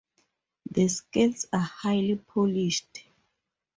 The scales are highly polished.